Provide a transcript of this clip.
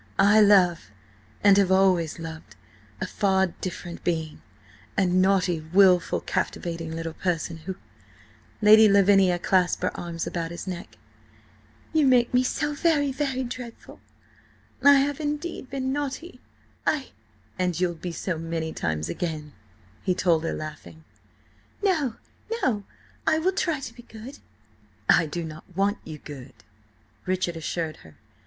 "I love–and have always loved–a far different being: a naughty, wilful, captivating little person, who—" Lady Lavinia clasped her arms about his neck. "You make me feel so very, very dreadful! I have indeed been naughty–I—" "And you'll be so many times again," he told her, laughing. "No, no! I–will–try to be good!" "I do not want you good!" Richard assured her.